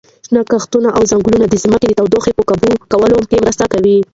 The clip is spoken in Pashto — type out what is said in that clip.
شنه کښتونه او ځنګلونه د ځمکې د تودوخې په کابو کولو کې مرسته کوي.